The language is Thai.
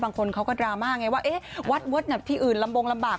บางคนเขาก็ดราม่าไงว่าเอ๊ะวัดที่อื่นลำบงลำบาก